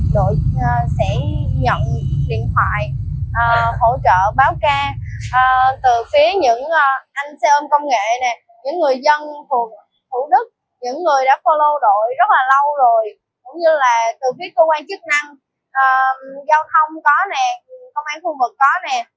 đội sẽ nhận điện thoại hỗ trợ báo ca từ phía những anh xe ôm công nghệ những người dân phường thủ đức những người đã follow đội rất là lâu rồi cũng như là từ phía cơ quan chức năng giao thông có nè công an khu vực có nè